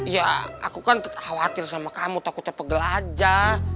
ya aku kan khawatir sama kamu takutnya pegel aja